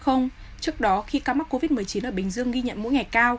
trước đó khi ca mắc covid một mươi chín ở bình dương ghi nhận mỗi ngày cao